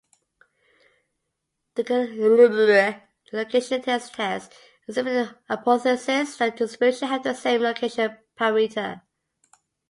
A location test tests the simpler hypothesis that distributions have the same location parameter.